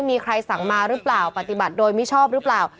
มีใครสั่งมาหรือเปล่าปฏิบัติโดยมิชอบหรือเปล่า